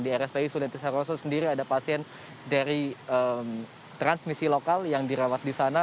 di rspi sulianti saroso sendiri ada pasien dari transmisi lokal yang dirawat di sana